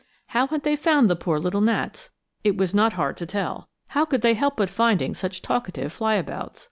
How had they found the poor little gnats? It was not hard to tell. How could they help finding such talkative fly abouts?